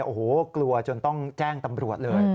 โอ้โหกลัวจนต้องแจ้งตำรวจเลย